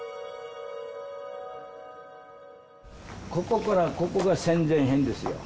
ここからここが戦前編ですよ。